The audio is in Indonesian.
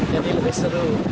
jadi lebih seru